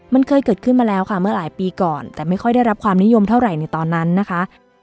มันเคยเกิดขึ้นมาแล้วค่ะเมื่อหลายปีก่อนแต่ไม่ค่อยได้รับความนิยมเท่าไหร่ในตอนนั้นนะคะ